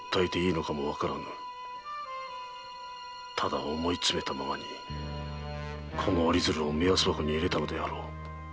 ただ思い詰めたままに目安箱にこの折り鶴を入れたのであろう